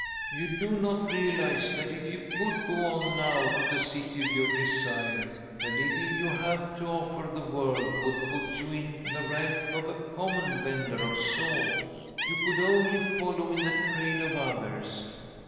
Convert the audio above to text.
"You do not realize that, if you could go on now to the City of your Desire, the little you have to offer the world would put you in the rank of a common vender of salt, you could only follow in the train of others.